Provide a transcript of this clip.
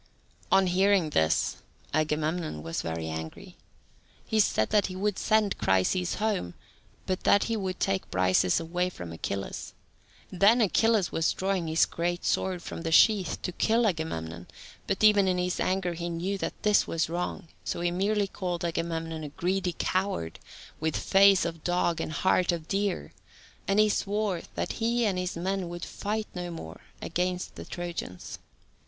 On hearing this, Agamemnon was very angry. He said that he would send Chryseis home, but that he would take Briseis away from Achilles. Then Achilles was drawing his great sword from the sheath to kill Agamemnon, but even in his anger he knew that this was wrong, so he merely called Agamemnon a greedy coward, "with face of dog and heart of deer," and he swore that he and his men would fight no more against the Trojans.